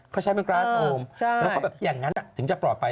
เขาใช้เป็นกราสโฮมแล้วก็แบบอย่างนั้นถึงจะปลอดภัย